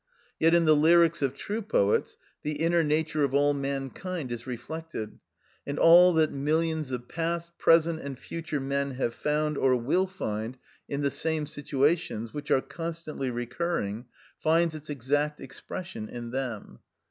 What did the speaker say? Yet in the lyrics of true poets the inner nature of all mankind is reflected, and all that millions of past, present, and future men have found, or will find, in the same situations, which are constantly recurring, finds its exact expression in them.